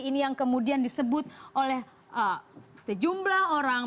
ini yang kemudian disebut oleh sejumlah orang